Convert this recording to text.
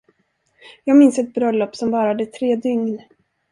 Jag minns ett bröllop som varade tre dygn.